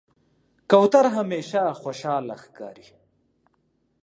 کوتره همیشه خوشحاله ښکاري.